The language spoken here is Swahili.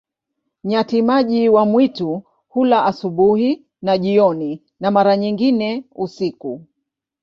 Nyati-maji wa mwitu hula asubuhi na jioni, na mara nyingine usiku.